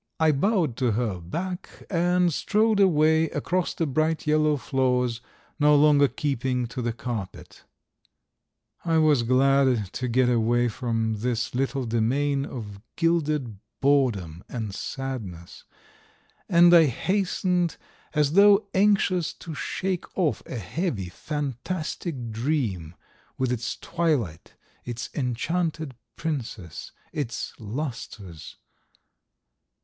I bowed to her back, and strode away across the bright yellow floors, no longer keeping to the carpet. I was glad to get away from this little domain of gilded boredom and sadness, and I hastened as though anxious to shake off a heavy, fantastic dream with its twilight, its enchanted princess, its lustres.